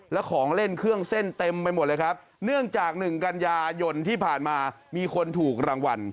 และของเล่นเครื่องเส้นเต็มไปหมดเลยครับเนื่องจากหนึ่งกันยายนที่ผ่านมามีคนถูกรางวัล